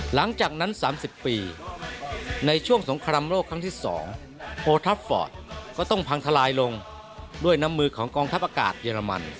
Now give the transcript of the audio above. หลังจากนั้น๓๐ปีในช่วงสงครามโลกครั้งที่๒โพทัพฟอร์ตก็ต้องพังทลายลงด้วยน้ำมือของกองทัพอากาศเยอรมัน